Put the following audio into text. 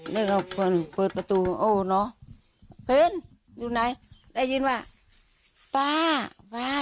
นี่เขาเปิดประตูโอ้เนอะเห็นอยู่ไหนได้ยินว่าป้าป้า